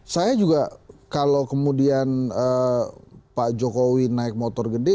saya juga kalau kemudian pak jokowi naik motor gede